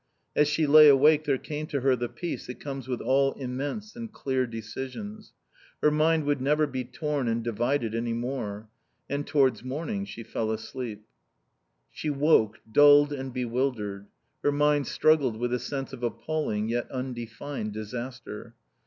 As she lay awake there came to her the peace that comes with all immense and clear decisions. Her mind would never be torn and divided any more. And towards morning she fell asleep. She woke dulled and bewildered. Her mind struggled with a sense of appalling yet undefined disaster.